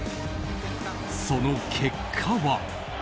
その結果は。